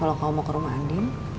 kalo kamu mau ke rumah andien